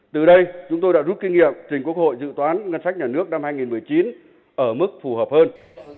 từ đây chúng tôi đã rút kinh nghiệm trình quốc hội dự toán ngân sách nhà nước năm hai nghìn một mươi chín ở mức phù hợp hơn